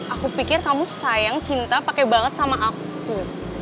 aku pikir kamu sayang cinta pakai banget sama aku